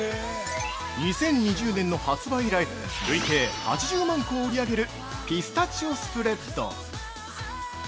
◆２０２０年の発売以来累計８０万個を売り上げるピスタチオスプレッド。